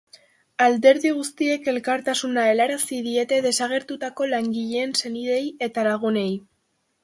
Alderdi guztiek elkartasuna helarazi diete desagertutako langileen senideei eta lagunei.